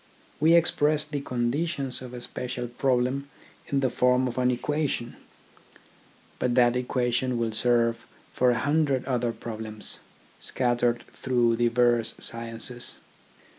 We express the conditions of a special problem in the form of an equation, but that equation will serve for a hundred other problems, scattered through diverse sciences.